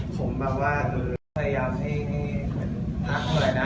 ผมแบบว่าพยายามให้พักเมื่อไหร่นะ